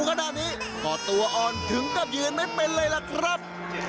ขนาดนี้ก็ตัวอ่อนถึงกับยืนไม่เป็นเลยล่ะครับ